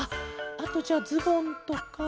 あとじゃあズボンとか。